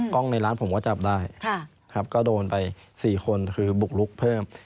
ในร้านผมก็จับได้ครับก็โดนไป๔คนคือบุกลุกเพิ่ม